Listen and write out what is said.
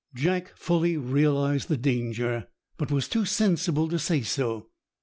Jack fully realized the danger, but was too sensible to say so.